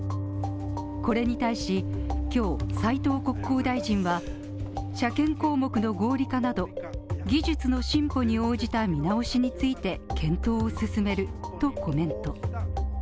これに対し、今日、斉藤国交大臣は車検項目の合理化など、技術の進歩に応じた見直しについて、検討を進めるとコメント。